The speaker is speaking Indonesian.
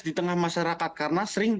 di tengah masyarakat karena sering